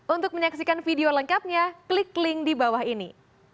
untuk menyaksikan video lengkapnya klik link di bawah ini